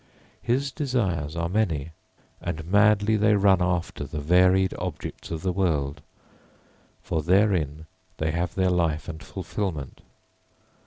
His desires are many, and madly they run after the varied objects of the world, for therein they have their life and fulfilment.